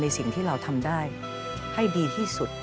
สิ่งที่เราทำได้ให้ดีที่สุด